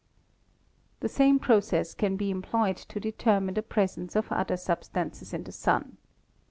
"The same process can be employed to determine the presence of other substances in the Sun.